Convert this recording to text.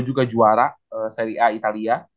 juga juara seri a italia